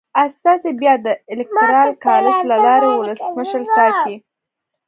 استازي بیا د الېکترال کالج له لارې ولسمشر ټاکي.